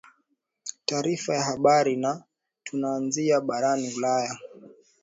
taarifa ya habari na tunaanzia barani ulaya